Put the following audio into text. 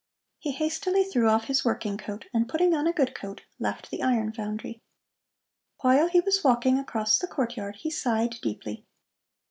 He hastily threw off his working coat and putting on a good coat left the iron foundry. While he was walking across the courtyard he sighed deeply.